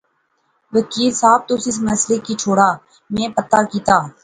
وکیل صاحب، تس اس مسئلے کی چھوڑا میں پتہ کیتا